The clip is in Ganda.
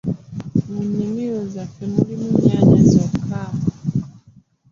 Mu nimiro yaffe mulimu nyanya zokka.